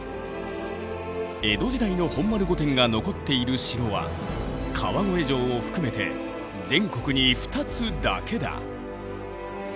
江戸時代の本丸御殿が残っている城は川越城を含めて全国に２つだけだ。